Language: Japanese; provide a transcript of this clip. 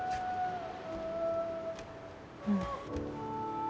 うん。